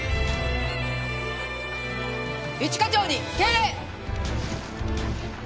一課長に敬礼！